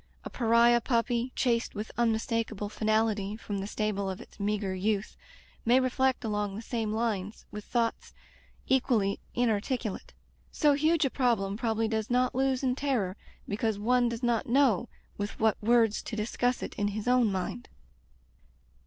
A pariah puppy, chased with unmistakable finality from the stable of its meagre youth may reflect along the same lines, with thoughts equally inarticulate. So huge a problem probably does not lose in terror because one does not know with what words to discuss it in his own mind.